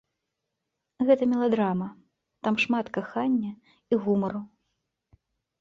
Гэта меладрама, там шмат кахання і гумару.